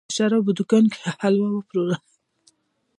د شرابو دوکان کې یې حلوا پلورله.